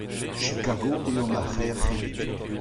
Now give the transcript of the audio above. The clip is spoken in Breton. Chicago eo ma c'hêr c'henidik.